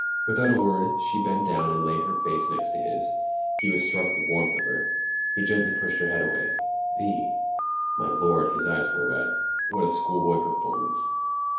Without a word she bent down and lay her face next to his. He was struck with the warmth of her. He gently pushed her head away. "Vi." (My Lord, his eyes were wet ... what a schoolboy performance!)